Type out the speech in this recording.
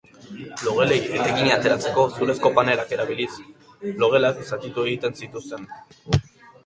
Logelei etekina ateratzeko, zurezko panelak erabiliz, logelak zatitu egiten zituzten.